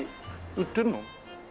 売ってるの？